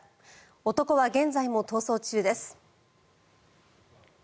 男は現在も逃走中です。